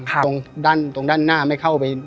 ตรงด้านหน้าไม่เข้าไป